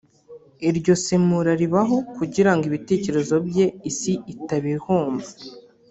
iryo semura ribaho kugira ngo ibitekerezo bye isi itabihomba